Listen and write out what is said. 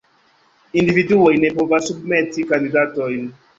Individuoj ne povas submeti kandidatojn.